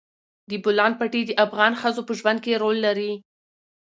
د بولان پټي د افغان ښځو په ژوند کې رول لري.